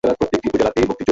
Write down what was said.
তোমাকে মনে আছে।